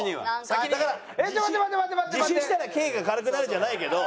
「自首したら刑が軽くなる」じゃないけど。